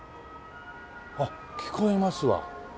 あっ聞こえますわ。